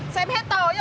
sao em hét to vậy